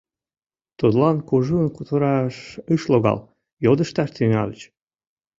Тудлан кужун кутыраш ыш логал, йодышташ тӱҥальыч.